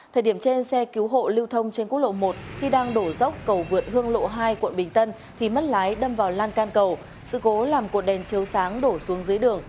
thời điểm trên xe cứu hộ lưu thông trên quốc lộ một khi đang đổ dốc cầu vượt hương lộ hai quận bình tân thì mất lái đâm vào lan can cầu sự cố làm cột đèn chiếu sáng đổ xuống dưới đường